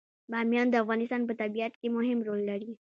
بامیان د افغانستان په طبیعت کې مهم رول لري.